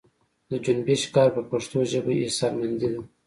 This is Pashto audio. د جنبش کار پر پښتو ژبه احسانمندي ده.